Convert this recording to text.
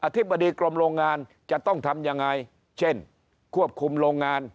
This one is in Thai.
ธิบดีกรมโรงงานจะต้องทำยังไงเช่นควบคุมโรงงาน